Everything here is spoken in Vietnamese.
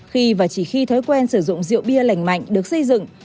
khi và chỉ khi thói quen sử dụng rượu bia lành mạnh được xây dựng